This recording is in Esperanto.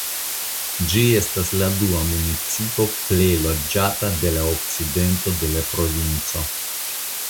Ĝi estas la dua municipo plej loĝata de la okcidento de la provinco.